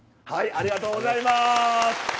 ありがとうございます。